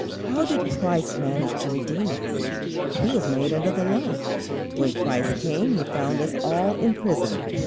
How did Christ manage to redeem us? "He was made under the law." When Christ came He found us all in prison.